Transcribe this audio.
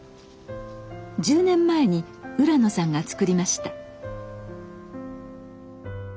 １０年前に浦野さんが作りました。